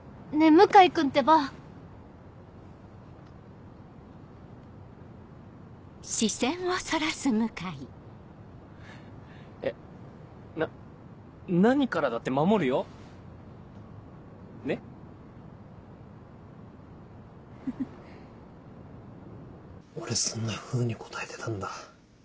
向井君ってばえな何からだって守るよねっフフフ俺そんなふうに答えてたんだ。